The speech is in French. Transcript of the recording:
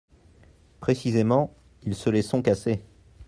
Précisément, ils se les sont cassées.